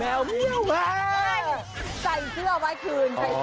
แมวเมี่ยวไมา